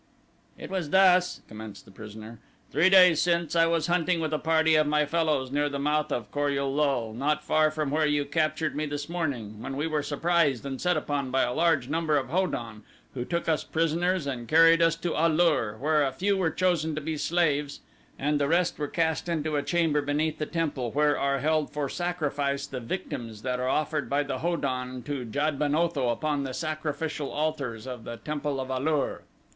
"It was thus," commenced the prisoner. "Three days since I was hunting with a party of my fellows near the mouth of Kor ul lul not far from where you captured me this morning, when we were surprised and set upon by a large number of Ho don who took us prisoners and carried us to A lur where a few were chosen to be slaves and the rest were cast into a chamber beneath the temple where are held for sacrifice the victims that are offered by the Ho don to Jad ben Otho upon the sacrificial altars of the temple at A lur.